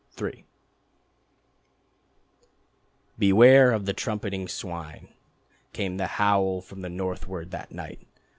III "Beware of the trumpeting swine," Came the howl from the northward that night.